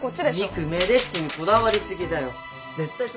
ミクめでっちにこだわりすぎだよ。